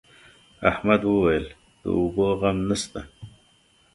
احمد وويل: د اوبو غم نشته.